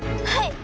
はい。